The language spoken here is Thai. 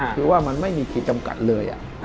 คือว่ามันไม่มีขีดจำกัดเลย